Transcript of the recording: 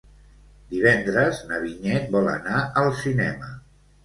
Divendres na Vinyet vol anar al cinema.